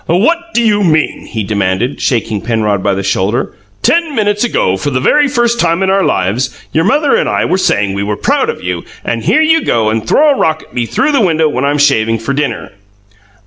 "What do you mean?" he demanded, shaking Penrod by the shoulder. "Ten minutes ago, for the very first time in our lives, your mother and I were saying we were proud of you, and here you go and throw a rock at me through the window when I'm shaving for dinner!"